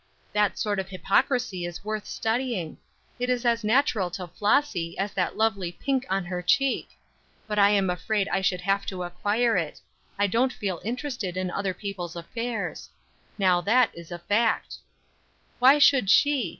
"That sort of hypocrisy is worth studying. It is as natural to Flossy as that lovely pink on her cheek; but I am afraid I should have to acquire it; I don't feel interested in other people's affairs; now, that is a fact. Why should she?